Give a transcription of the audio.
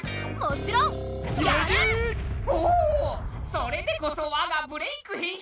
それでこそ我が「ブレイクッ！編集部」！